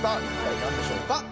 一体何でしょうか？